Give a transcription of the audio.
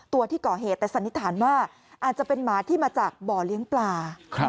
ตัวที่ก่อเหตุแต่สันนิษฐานว่าอาจจะเป็นหมาที่มาจากบ่อเลี้ยงปลา